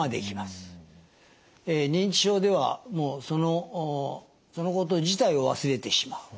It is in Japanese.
認知症ではそのこと自体を忘れてしまう。